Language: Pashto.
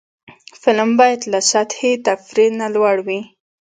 فلم باید له سطحي تفریح نه لوړ وي